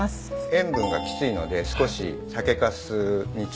塩分がきついので少し酒かすに漬けて。